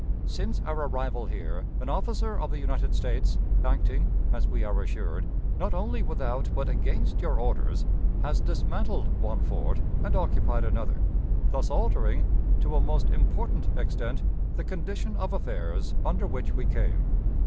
Since our arrival here an officer of the United States, acting, as we are assured, not only without but against your orders, has dismantled one fort and occupied another, thus altering, to a most important extent, the condition of affairs under which we came.